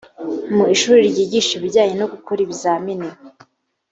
mu ishuri ryigisha ibijyanye no gukora ibizamini